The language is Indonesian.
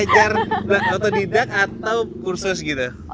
kejar otodidak atau kursus gitu